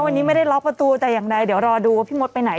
วันนี้ไม่ได้ล็อกประตูแต่อย่างใดเดี๋ยวรอดูว่าพี่มดไปไหน